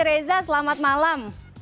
reza selamat malam